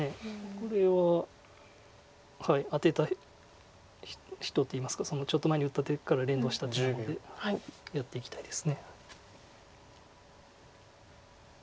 これはアテた人っていいますかちょっと前に打った手から連動した手なのでやっていきたいです。